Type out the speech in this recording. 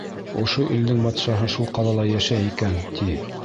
Ошо илдең батшаһы шул ҡалала йәшәй икән, ти.